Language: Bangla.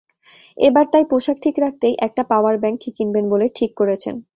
এবার তাই পোশাক ঠিক রাখতেই একটা পাওয়ার ব্যাংক কিনবেন বলে ঠিক করেছেন।